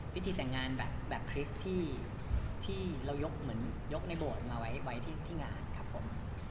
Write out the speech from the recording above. พิธีแต่งงานแบบคริสต์ที่เรายกเหมือนยกในโบสถ์มาไว้ที่งานครับผม